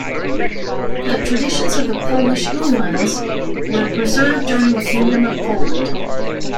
The traditions of the Polish uhlans were preserved during the Kingdom of Poland.